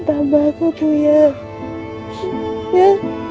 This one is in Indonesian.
tambah aku tuh ya ya